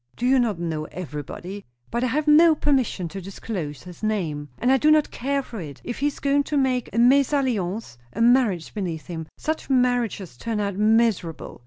"Do you not know everybody? But I have no permission to disclose his name." "And I do not care for it, if he is going to make a mésalliance; a marriage beneath him. Such marriages turn out miserably.